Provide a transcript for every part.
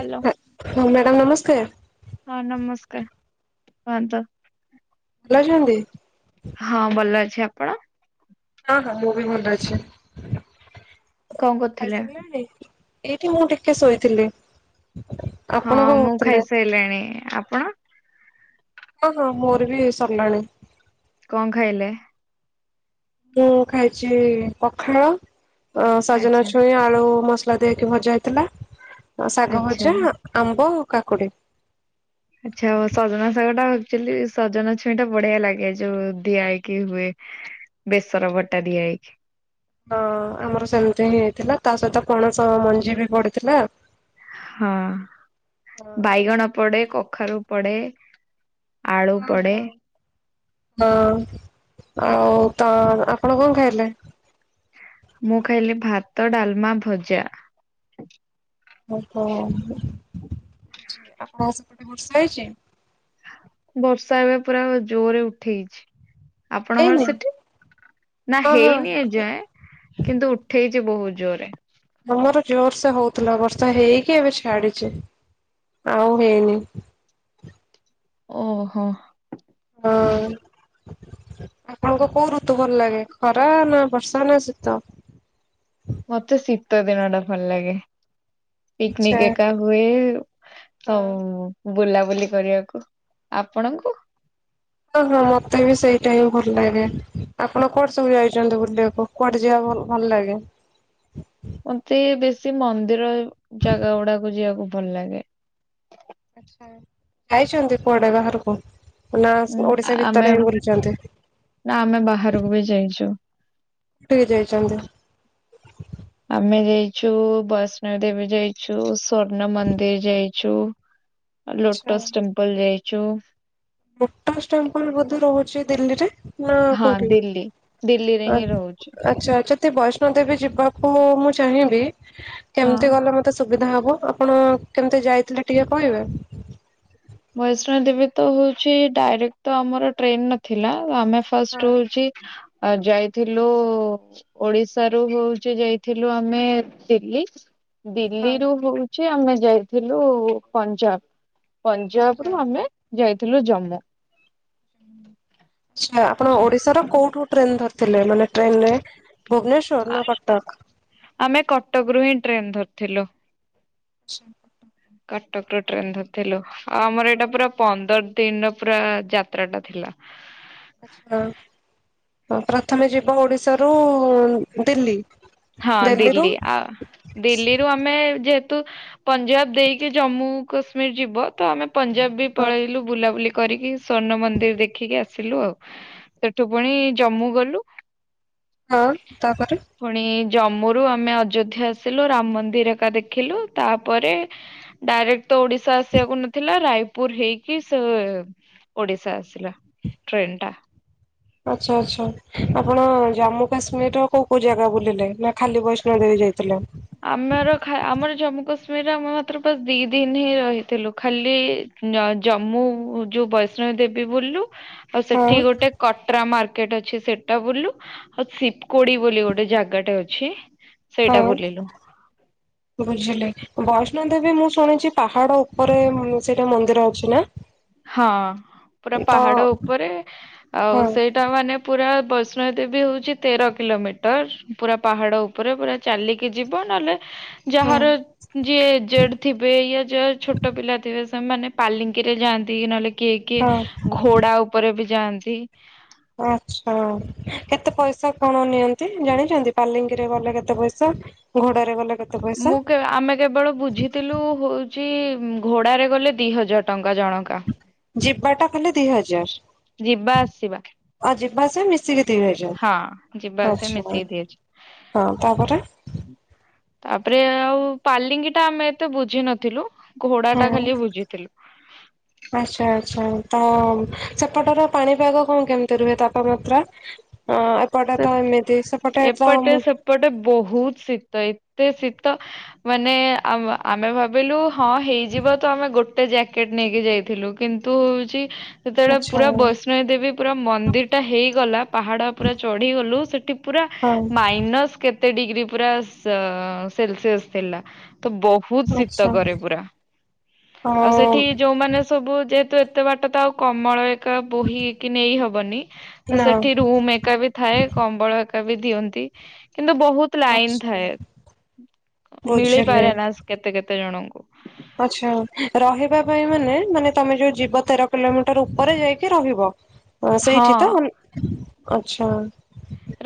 Hello. ହଁ madam ନମସ୍କାର। ହଁ ନମସ୍କାର କୁହନ୍ତୁ? ଭଲ ଅଛନ୍ତି। ହଁ ଭଲ ଅଛି ଆପଣ? ହଁ ହଁ ମୁଁ ବି ଭଲ ଅଛି କଣ କରୁଥିଲେ? ଖାଇସାରିଲେଣି? ଏଇଠି ମୁଁ ଟିକେ ଶୋଇଥିଲି। ହଁ ଆପଣ କଣ ମୁଁ କରୁଥିଲେ? ଖାଇସାଇଲିଣି ଆପଣ? ହଁ ହଁ ମୋର ବି ସରିଲାଣି। କଣ ଖାଇଲେ? ମୁଁ ଖାଇଛି ପଖାଳ ସଜନା ଆଚ୍ଛା ଛୁଇଁ ଆଳୁ ମସ ଲା ଦେଇକି ଭଜା ହେଇଥିଲା ଶାଗ ଆଚ୍ଛା ଭଜା ଆମ୍ବ କାକୁଡି। ଆଚ୍ଛା ଅ ସଜନା ଶାଗଟା ଆକଚୁଲି ସଜନା ଛୁଇଁ ଟା ବଢିଆ ଲାଗେ ଯୋଉ ଦିଆହେଇକି ହୁଏ। ବେସର ବଟା ଦିଆ ହେଇକି। ହଁ ଆମର ସେମିତି ହିଁ ହେଇଥିଲା ତା ସହିତ ପଣସ ମଞ୍ଜି ବି ପଡିଥିଲା। ହଁ ହଁ ବାଇଗଣ ପଡେ କଖାରୁ ପଡେ। ଆଳୁ ହଁ ପଡେ ହ ହଁ ଆଉ ତ ଆପଣ କଣ ଖାଇଲେ? ମୁଁ ଖାଇଲି ଭାତ ଡାଲମା ଭଜା। ଓହୋ ଆପଣଙ୍କ ସେପଟେ ବର୍ଷା ହେଇଛି? ବର୍ଷା ଏବେ ପୁରା ଜୋରରେ ଉଠେଇଚି। ଆପଣଙ୍କର ହେଇନି ସେଠି ନା ହଁ ହଁ ହେଇନି ଏଯାଏଁ। କିନ୍ତୁ ଉଠେଇଚି ବହୁତ୍ ଜୋରରେ। ଆମର ଜୋରସେ ହଉଥିଲା ବର୍ଷା ହେଇକି ଏବେ ଛାଡିଚି ଆଉ ହେଇନି। ଓହୋ। ହଁ। ଆପଣଙ୍କୁ କୋଉ ଋତୁ ଭଲ ଲାଗେ ଖରା ନା ବର୍ଷା ନା ଶୀତ? ମତେ ଶୀତ ଦିନଟା ଭଲ ଲାଗେ ଆଚ୍ଛା ପିକନିକ୍ ଏକା ହୁଏ ହଁ ବୁଲାବୁଲି କରିବାକୁ, ଆପଣଙ୍କୁ? ହଁ-ହଁ ମତେ ବି ସେଇ ଟାଇମ୍ ଭଲ ଲାଗେ, ଆପଣ କୁଆଡେ ସବୁ ଯାଇଚନ୍ତି ବୁଲିବାକୁ? କୁଆଡେ ଯିବା ଭଲ୍-ଭଲ୍ ଲାଗେ? ମତେ ବେଶି ମନ୍ଦିର ଜାଗା ଗୁଡାକୁ ଯିବାକୁ ଭଲ ଲାଗେ। ଆଛା ଯାଇଛନ୍ତି କୁଆଡେ ବାହାରକୁ ନା ଉଁ ଓଡିଶା ଆମେ ଭିତରେ ହିଁ ବୁଲିଚନ୍ତି? ନା ଆମେ ବାହାରକୁ ବି ଯାଇଚୁ। କୋଉଠିକି ଯାଇଚନ୍ତି? ଆମେ ଯାଇଛୁ ବୈଷ୍ଣଦେବୀ ଯାଇଛୁ, ସ୍ଵର୍ଣ୍ଣ ମନ୍ଦିର୍ ଯାଇଛୁ ଆଉ ଆଚ୍ଛା। ଲୋଟସ୍ ଟେମ୍ପଲ୍ ଯାଇଛୁ। ଲୋଟସ୍ ଟେମ୍ପଲ୍ ବୋଧେ ରହୁଚି ଦିଲ୍ଲୀରେ? ନା ଆଉ ହଁ କୋଉଠି ଦିଲ୍ଲୀ ଦିଲ୍ଲୀରେ ହିଁ ରହୁଛୁ ଆଚ୍ଛା ଆଛା। ଯଦି ବୈଷ୍ଣୋଦେବୀ ଯିବାକୁ ମୁଁ ଚାହିଁବି ହଁ କେମତି ଗଲେ ମ ତେ ସୁବିଧା ହବ, ଆପଣ କେମିତି ଯାଇଥିଲେ ଟିକେ କହିବେ? ବୈଷ୍ଣଦେବୀ ତ ହଉଛି ଡାଇରେକ୍ଟ ତ ଆମର ଟ୍ରେନ୍ ନ ଥିଲା ଆମେ ହଁ ଫାଷ୍ଟ ହଉଛି ଆ ଯାଇଥିଲୁ ଓଡିଶାରୁ ହଉଛି ଯାଇଥିଲୁ ଆମେ ଦିଲ୍ଲୀ। ହଁ ଦିଲ୍ଲୀରୁୁ ହଉଛି ଆମେ ଯାଇଥିଲୁ ପଞ୍ଜାବ। ପଞ୍ଜାବରୁ ପଞ୍ଜାବ। ଆମେ ଯାଇଥିଲୁ ଜାମ୍ମୁ। ଆଚ୍ଛା ଆପଣ ଓଡିଶାର କୋଉଠୁ ଟ୍ରେନ ଧରିଥିଲେ, ମାନେ ଟ୍ରେନରେ ଭୁବନେଶ୍ଵର ନା କଟକ୍? ଆମେ କଟକରୁୁ ହିଁ ଟ୍ରେନ ଧରିଥିଲୁ। ଆଚ୍ଛା। କଟକରୁ ଟ୍ରେନ ଧରିଥିଲୁ ଆଉ ଆମର ହଁ। ଏଇଟା ପୁରା ପନ୍ଦର ଦିନ ପୁରା ଯାତ୍ରା ଟା ଥିଲା। ଆଚ୍ଛା ପ୍ରଥମେ ଯିବ ଓଡିଶାରୁ ଦିଲ୍ଲୀ। ହଁ ଦିଲ୍ଲୀରୁ ଦିଲ୍ଲୀ ଆ ଦିଲ୍ଲୀରୁ ଆମ ଆମେ ଯେହେତୁ ପଞ୍ଜାବ ଦେଇକି ଜାମ୍ମୁ କାଶ୍ମୀର ଯିବ ତ ଆମେ ପଞ୍ଜାବ ବି ହଁ ପଳେଇଲୁ ବୁଲାବୁଲି କରିକି ସ୍ଵର୍ଣ୍ଣ ମନ୍ଦିର୍ ଦେଖିକି ଆସିଲୁ ଆଉ। ସେଠୁ ପୁଣି ଜମ୍ମୁ ଗଲୁ। ହଁ ତାପରେ ପୁଣି ଜମ୍ମୁରୁୁ ଆମେ ଅଯୋଧ୍ୟା ଆସିଲୁ ରାମ ମନ୍ଦିର ଏକା ଦେଖିଲୁ ତାପରେ ଡାଇରେକ୍ଟ ତ ଓଡିଶା ଆସିବାକୁ ନଥିଲା ରାୟପୁର ହେଇକି ସେ ଓଡିଶା ଆସିଲା ଟ୍ରେନଟା। ଆଚ୍ଛା ଆଚ୍ଛା। ଆପଣ ଜମ୍ମୁ କାଶ୍ମୀରର କୋଉ-କୋଉ ଜାଗା ବୁଲିଲେ ନା ଖାଲି ବୈଷ୍ଣୋଦେବୀ ଯାଇଥିଲେ? ଆମେର ଆମର ଜାମ୍ମୁ କାଶ୍ମୀରରେ ଆମେ ମାତ୍ର ଦି ଦିନ ହିଁ ରହିଥିଲୁ ଖାଲି ଜମ୍ମୁ ଯୋଉ ବୈଷ୍ଣଵୀଦେବୀ ବୁଲିଲୁ, ଆଉ ହଁ ସେଠି ଗୋଟେ କଟ୍ରା ମାର୍କେଟ୍ ଅଛି ସେଟା ବୁଲିଲୁ। ଆଉ ଶିବକୋଡି ବୋଲି ଗୋଟେ ଜାଗାଟେ ଅଛି ହଁ। ସେଇଟା ବୁଲିଲୁ। ବୁଝିଲେ ବୈଷ୍ଣୋଦେବୀ ମୁଁ ଶୁଣିଛି ପାହାଡ ଉପରେ ସେଇଟା ମନ୍ଦିର ଅଛି ନା? ହଁ ପୁରା ତ ପାହାଡ ଉପରେ ଆଉ ହଁ ସେଇ ଟା ମାନେ ପୁରା ବୈଷ୍ଣୋଦେବୀ ହଉଚି ତେର କିଲୋମିଟର ପୁରା ପାହାଡ ଉ ପୁରା ପୁରା ଚାଲିକି ଯିବ ନହେଲେ ହଁ ଯାହାର ଯିଏ ଏଜେଡ ଥିବେ ୟ ଯ ଛୋଟ ପିଲା ଥିବେ ସେମାନେ ପାଲିଙ୍କିରେ ଯାଆନ୍ତି। ନହେଲେ କିଏ ହଁ କିଏ ଘୋଡା ଉପରେ ବି ଯାଆନ୍ତି। ଆଚ୍ଛା କେତେ ପଇସା କଣ ନିଅନ୍ତି ଜାଣିଚନ୍ତି, ପାଲିଙ୍ଗିରେ ଗଲେ କେତେ ପଇସା ଘୋଡ଼ାରେ ମୁଁ କେ ଆମେ କେବଳ ବୁଝିଥିଲୁ ହଉଚି ଘୋଡ଼ାରେ ଗଲେ ଦି ହଜାର ଟଙ୍କା ଜଣକା। ଯିବାଟା ଖାଲି ଦି ହଜାର। ଯିବା ଆସିବା। ଆଉ ଯିବା ଆସିବା ମିଶିକି ଦି ହଜାର ହଁ ଯିବା ଆସିବ ଆଚ୍ଛା ମିଶେଇକି ହଁ ଦି ହଜାର। ତାପରେ ତାପରେ ଆଉ ପାଲିଙ୍ଗି ଟା ଆମେ ଏତେ ବୁଝି ନଥିଲୁ। ଘୋଡା ଟା ହଁ। ଖାଲି ବୁଝିଥିଲୁ। ଆଚ୍ଛା ଆଚ୍ଛା ତ ସେପଟର ପାଣିପାଗ କଣ କେମିତି ରୁହେ ତାପମାତ୍ରା? ହଁ ଏପଟେ ତ ଏମିତି ସେପଟେ ତ ମୁଁ ଏ ପଟେ ବହୁତ ଶୀତ ଏତେ ଶୀତ ମାନେ ଆ ଆମେ ଭାବିଲୁ ହଁ ହେଇଯିବ ତ ଆମେ ଗୋଟେ ଜ୍ୟାକେଟ ନେଇକି ଯାଇଥିଲୁ। କିନ୍ତୁ ତୁ ହଉଛି ସେତେବେଳେ ଆଚ୍ଛା ପୁରା ବୈଷ୍ଣବ ଦେବୀ ପୁରା ମନ୍ଦିର ଟା ହେଇଗଲା। ପାହାଡ ପୁରା ଚଢିଗଲୁ ସେଠି ପୁରା ହଁ ମାଇନସ୍ କେ ଏତେ ଡିଗ୍ରୀ ପୁରା ସେଲସିସ ଥିଲା ତ ବହୁ ଵହୁତ ଶୀତ ଆଚ୍ଛା। କରେ ପୁରା ଆଉ ହଁ ସେଠି ଯୋଉମାନେ ତ ବହୁତ ଯେହେତୁ ଏତେ ବାଟ ତ ଆଉ କମଳ କା ବୋହି କି ନେଇ ହବନି, ତ ନା ସେଠି ରୁମ୍ ଏକା ବି ଥାଏ କମ୍ବଳ ଏକା ବି ଦିଅନ୍ତି, କିନ୍ତୁ ବହୁତ ଆଚ୍ଛା ପ୍ଲାଇନିଥାଏ ବୁଝିଲି। ମିଳିପାରେନା କେତେ କେତେ ଜଣଙ୍କୁ। ଆଛା ରହିବା ପାଇଁ ମାନେ, ମାନେ ତମେ ଯୋଉ ଯିବ ତେର କିଲୋମିଟର ଉପରେ ଯାଇକି ରହିବ। ହଁ ସେଇଠି ତ ଆଛା।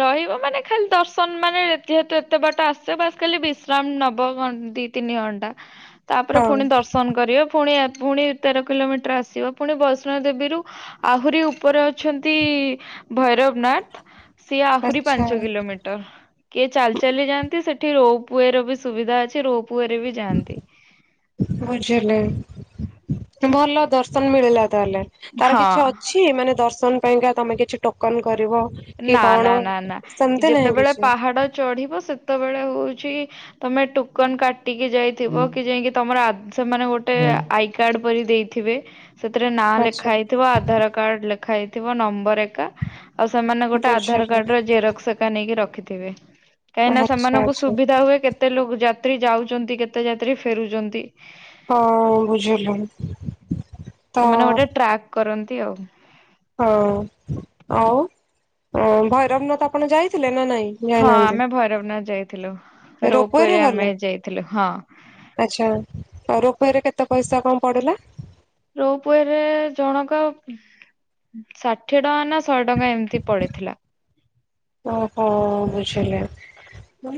ରହିବ ମାନେ, ଖାଲି ଦର୍ଶନ ମାନେ ଯେହେତୁ ଏତେ ବାଟ ଆସିବ ଖାଲି ବିଶ୍ରାମ ନବ ଘନ୍ ଦି ତିନି ଘଣ୍ଟା ତାପରେ ହଁ ପୁଣି ଦର୍ଶ ନ କରିବ ପୁଣି ପୁଣି ତେର କିଲୋମିଟର ଆସିବ ପୁଣି ବୈଷ୍ଣ ଦେବୀରୁ। ଆହୁରି ଉପରେ ଅଛନ୍ତି ଭୈରବ ନାଥ। ସିଏ ଆହୁରି ଆଚ୍ଛା ପାଞ୍ଚ କିଲୋମି ଟ କିଏ ଚାଲି ଚାଲି ଯାଆନ୍ତି, ସେଠି ରୋପ୍ ୱେ ର ବି ସୁବିଧା ଅଛି ରୋପ୍ ୱେ ରେ ବି ଯାଆନ୍ତି। ବୁଝିଲି ଭଲ ଦର୍ଶନ ମିଳିଲା ତାହେଲେ। ତାର କିଛି ହଁ ଅଛି ମାନେ ଦର୍ଶନ ପାଇଁକା ତମେ କିଛି ଟୋକନ କରିବ? କି ନା କଣ? ନା ନା ନା ସେମିତି ନାହିଁ ଯେତେବେଳେ କିଛି ପାହାଡ ଚଢିବ ସେତେବେଳେ ହଉଚି ତମେ ଟୋକନ କାଟିକି ଯାଇଥିବ, କି ଯାଇକି ତମର ସେମାନେ ଗୋଟେ ଆଇ କାର୍ଡ ପରି ଦେଇ ଥିବେ ସେଥିରେ ନାଁ ଲେଖା ଆଚ୍ଛା ହେଇଥିବ, ଆଧାର କାର୍ଡ ଲେଖା ହେଇଥିବ ନମ୍ବର ଏକା ଆଉ ସେମାନେ ଗୋଟେ ଆଧାର ବୁଝିଲି କାର୍ଡ ର ଜେରକ୍ସ ହେକା ନେଇକି ରଖିଥିବେ। କାହିଁନା ଆଚ୍ଛା ସେମାନଙ୍କୁ ଆଚ୍ଛା। ସୁବିଧା ହୁଏ। କେତେ ଲୋକ ଯାତ୍ରୀ ଯାଉଛନ୍ତି କେତେ ଯାତ୍ରୀ ଫେରୁଛନ୍ତି। ହଁ ବୁଝିଲି। ତ ସେମାନେ ଗୋଟେ ଟ୍ରାକ୍ କରନ୍ତି ଆଉ। ହଁ ଆଉ ଭୈରବନାଥ ଆପଣ ଯାଇଥିଲେ ନା ନାଇଁ? ହଁ ଯାଇନାହାନ୍ତି ଆମେ ଭୈରବ ନ ଯାଇଥିଲୁ ରୋପୱେରେ ରୋପୱରେ ଗଲେ? ଆମେ ଯାଇଥିଲୁ ହଁ। ଆଚ୍ଛା ଆଉ ରୋପେଇରେ କେତେ ପଇସା କଣ ପଡିଲା? ରୋପୱେ ରେ ଜଣକା ଷାଠିଏ ଟଙ୍କା ନା ଶହେ ଟଙ୍କା ଏମିତି ପଡିଥିଲା। ଓହଁ ବୁଝିଲେ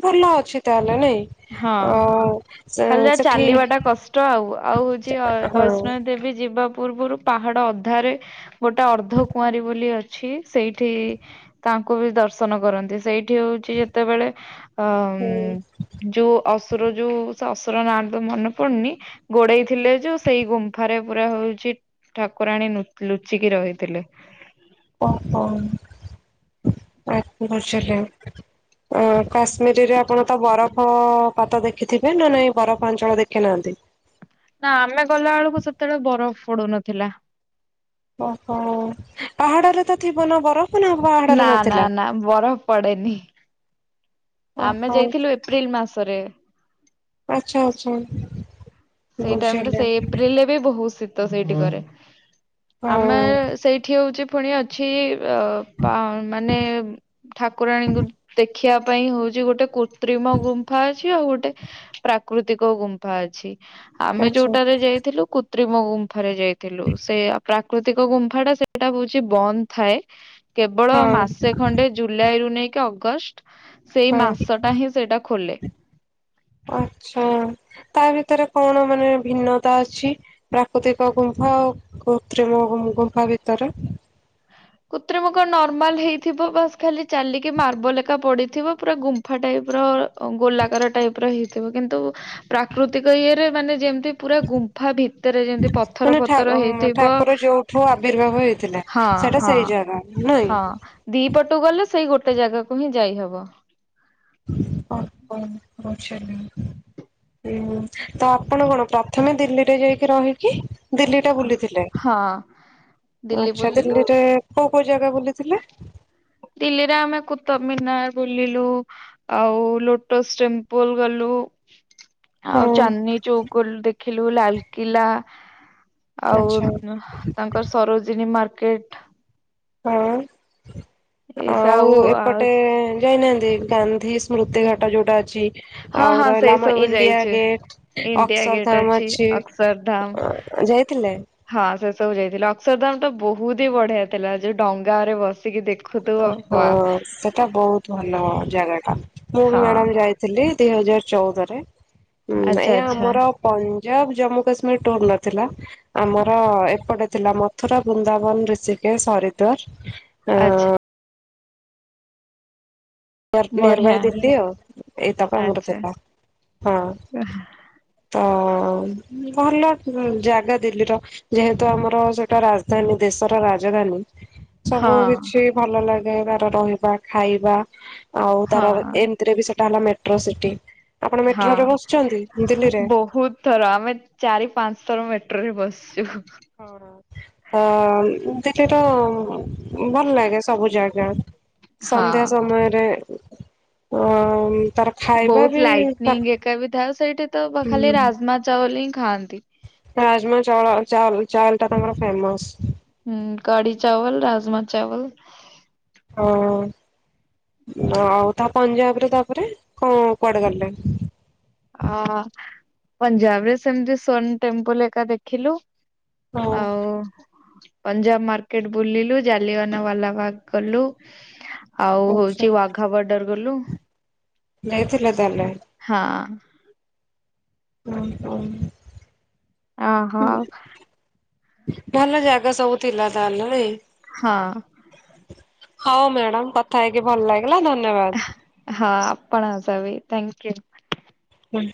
ଭଲ ଅଛି ତାହେଲେ ନାଇଁ। ହଁ। ଆଉ ସେ ଖାଲି ଯା ସେଠି ଚାଲିବାଟା କଷ୍ଟ, ଆଉ ଆଉ ହେଉଛି ହଁ ବୈଷ୍ଣବ ଦେବୀ ଯିବା ପୂର୍ବରୁ ପାହାଡ ଅଧାରେ ଗୋଟେ ଅର୍ଦ୍ଧ କୁଆଁରୀ ବୋଲି ଅଛି ସେଇଠି ତାଙ୍କୁ ବି ଦର୍ଶନ କରନ୍ତି ସେଇଠି ହଉଛି ଯେତେବେଳେ ଅ ହୁଁ। ଯୋଉ ଅସୁର ଯୋଉ ସେ ଅସୁର ନାଁ ତ ମନେ ପଡୁନି ଗୋଡେଇ ଥିଲେ ଯୋଉ ସେଇ ଗୁମ୍ଫାରେ ପୁରା ହଉଛି ଠାକୁରାଣୀ ନୁ ଲୁଚିକି ରହିଥିଲେ ଓହ [inaudible] ଅ କାଶ୍ମୀରରେ ଆପଣ ତ ବରଫପାତ ଦେଖିଥିବେ ନା ନାହିଁ ବରଫା ଅଞ୍ଚଳ ଦେଖି ନାହାନ୍ତି ନା ଆମେ ଗଲାବେେଳକୁ ସେତେବେଳେ ବରଫ ପଡୁନଥିଲା ଓହୋ ପାହାଡରେ ତ ଥିବ ନା ବରଫ୍ ନା ନା ନା ବରଫ ପଡ଼େନି ଆମେ ଓହୋ ଯାଇଥିଲୁ ଏପ୍ରିଲ୍ ମାସରେ ଆଚ୍ଛା ଆଚ୍ଛା ସେଇ ଟାଇମ ରେ ବୁଝିଲି। ସେଇ ଏପ୍ରିଲରେ ବି ବହୁତ ଶୀତ ସେଇଠ କରେ ଆମେ ହଁ ସେଇଠି ହଉଛି ପୁଣି ଅଛି ଅ ମାନେ ଠାକୁରାଣୀଙ୍କୁ ଦେ ଦେଖିବା ପାଇଁ ହଉଛି ଗୋଟେ କୁତ୍ରିମ ଗୁମ୍ଫା ଅଛି ଆଉ ଗୋଟେ ପ୍ରାକୃତିକ ଗୁମ୍ଫା ଅଛି ଆମେ ଆଚ୍ଛା ଯୋଉଟାରେ ଯାଇଥିଲୁ କୃତ୍ରିମ ଗୁମ୍ଫାରେ ଯାଇଥିଲୁ ସେ ପ୍ରାକୃତିକ ଗୁମ୍ଫାଟା ସେଇଟା ହୋଉଚି ବନ୍ଦ ଥାଏ। କେବଳ ହଁ ମାସେ ଖଣ୍ଡେ ଜୁଲାଇରୁୁ ନେଇକି ଅଗଷ୍ଟ ସେଇ ହଁ ମାସଟା ହିଁ ସେଇଟା ଖୋଲେ। ଆଛା ତା ଭିତରେ କଣ ମାନେ ଭିନ୍ନତା ଅଛି? ପ୍ରାକୃତିକ ଗୁମ୍ଫା ଆଉ କୃତ୍ରିମ ଗୁ ଗୁମ୍ଫା ଭିତରେ? କୁତ୍ରିମ କଣ ନର୍ମାଲ ହେଇଥିବ ବାସ ଖାଲି ଚାଲିକି ମାର୍ବଲ ଏକା ପଡିଥିବ ପୁରା ଗୁମ୍ ସଫା ଟାଇପର ଗୋଲାକାର ଟାଇପର ହେଇଥିବ କିନ୍ତୁ ପ୍ରାକୃତିକ ଇଏରେ ମାନେ ଯେମତି ପୁରା ଗୁମ୍ଫା ଭିତରେ ଯେମତି ପଥର ମାନେ ଠା ପଥର ହେଇଥିବ ଠାକୁର ଯୋଉଠୁ ଆବିର୍ଭାବ ହେଇଥିଲେ ହଁ। ସେଟା ହଁ ସେଇ ଜାଗା ନାଇଁ? ହଁ ଦି ପଟୁ ଗଲେ ସେଇ ଗୋଟେ ଜାଗାକୁ ହିଁ ଯାଇହବ। ଓହୋ [unintelligible] ତ ଆପଣ କଣ ପ୍ରଥମେ ଦିଲ୍ଲୀରେ ଯାଇକି ରହିକି ଦିଲ୍ଲୀଟା ହୁଁ। ବୁଲିଥିଲେ ହଁ ଓ ଦିଲ୍ଲୀ ଆଛା ବୁଲିଲୁ ଦିଲ୍ଲୀରେ କୋଉ କୋଉ ଜାଗା ବୁଲିଥିଲେ? ଦିଲ୍ଲୀରେ ଆମେ କୁତବ ମିନାର ବୁଲିଲୁ ଆଉ ଲୋଟସ୍ ଟେମ୍ପୁଲୁ ଗଲୁ ଆଉ ହଁ ଚାନ୍ଦିନି ଚୌକ ଗଲୁ ଦେଖିଲୁ ଲାଲକିଲା ଆଉ ଆଚ୍ଛା ଅ ତାଙ୍କ ସରୋଜିନୀ ମାର୍କେଟ ହଁ ଆଉ ଏପଟେ ଯାଇନାହାନ୍ତି ଗାନ୍ଧୀ ସ୍ମ୍ରୁତି ଘାଟ ଯୋଉଟା ଅଛି। ହଁ ଆଉ ହଁ ସେଇ ରହିଲା ଆମ ସବୁ ଇଣ୍ଡିଆ ଯାଇଛୁ ଗେଟ ଇଣ୍ଡିଆ ଗେଟ୍ ଅକ୍ସରଧାମ ଅଛି। ଅକ୍ଷରଧାମ ଅ ଯାଇଥିଲେ ହଁ ସେ ସବୁ ଯାଇଥିଲୁ ଅକ୍ଷରଧାମ ତ ବୋହୁତ ହି ବଢିଆ ଥିଲା ଯୋଉ ଡଙ୍ଗା ରେ ବସିକି ଦେଖ ଓହୋ ସେଟା ବୋହୁତ ଭଲ ଜାଗାଟା ମୁଁ ବି ହଁ ମ୍ୟାଡାମ ଯାଇଥିଲି ଦିଇ ହଜାର ଚୋଉଦରେ ହୁଁ ଆଚ୍ଛା ଏଇଆ ଆଚ୍ଛା ଆମର ପଞ୍ଜାବ ଜାମ୍ମୁ କାଶ୍ମୀର ଟୁର ନଥିଲା ଆମର ଏପଟେ ଥିଲା ମଥୁରା, ବୃନ୍ଦାବନ, ରିଷିକେସ, ହରିଦ୍ୱାର। ଆଚ୍ଛା। ନିଅର ନିୟର ବାଇ ବଢିଆ ଦିଲ୍ଲୀ ଆଉ ଏଇତକ ଆମର ଆଚ୍ଛା ଥିଲା ହଁ। ତ ଭଲ ଜାଗା ଦିଲ୍ଲୀର ଯେହେତୁ ଆମର ସେଟା ରାଜଧାନୀ ଦେଶର ରାଜଧାନୀ ସବୁ ହଁ କିଛି ଭଲ ଲାଗେ ତାର ରହିବା ଖାଇବା ଆଉ ତାର ହଁ ଏମ ରେ ବି ସେଟା ହେଲା ମେଟ୍ରୋ ସିଟି ଆପଣ ମେଟ୍ରୋରେ ହଁ ବସଚନ୍ତି ଦିଲ୍ଲୀରେ? ବହୁତ ଥର ଆମେ ଚାରି ପାଞ୍ଚ ଥର ମେଟ୍ରୋ ରେ ବସଚୁ। ହଁ ଦେଖ ଏତ ଭଲ ଲାଗେ ସବୁ ଜାଗା ହଁ ସନ୍ଧ୍ୟା ସମୟ ଆରେ ଅମ୍ ବୋହୁତ ଲାଇଟନିଂ ଏକା ବି ଥାଉ ସେଇଠି ତ ଖାଲି ହୁଁ ରାଜମା ଚାୱଲ ହିଁ ଖାଆନ୍ତି। ରାଜମା ଚାଉଳ ଚାଉଲ ଚାୱଲଟା ତାଙ୍କର ଫେମସ। ହୁଁ କଡି ଚାୱଲ ରାଜମା ଚାୱଲ। ହଁ ଆଉ ତା ପଞ୍ଜାବର ତାପରେ କଣ କୁଆଡେ ଗଲେ। ଅ ପଞ୍ଜାବରେ ସେମତି ସୋନ ଟେମ୍ପଲ ହେକା ଦେଖିଲୁ। ହଁ ଆଉ ପଞ୍ଜାବ ମାର୍କେଟ ବୁଲିଲୁ ଜାଲିଆନା ୱାଲା ବାଗ ଗଲୁ। ଆଉ ଆଚ୍ଛା। ହୋଉଚି ୱାଘା ବଡର ଗଲୁ। ନେଇଥିଲେ ତାହେଲେ? ହଁ। ହଁ। ଓହୋ। ଭଲ ଜାଗା ସବୁ ଥିଲା ତାହେଲେ ନାଇ। ହଁ। ହଉ ମ୍ୟାଡାମ କଥା ହେଇକି ଭଲ ଲାଗିଲା ଧନ୍ୟବାଦ। ହଁ ଆପଣଂକ ସହ ବି ଥ୍ୟାଙ୍କୟୁ। ହୁଁ।